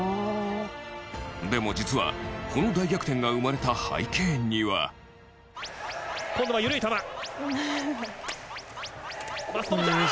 でも実は、この大逆転が生まれた背景には。今度は緩い球。